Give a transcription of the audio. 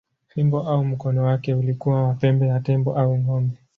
Fimbo au mkono wake ulikuwa wa pembe ya tembo au ng’ombe.